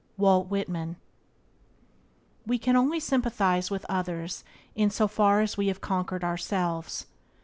—Walt Whitman. E can only sympathize with others in so far as we have conquered ourselves.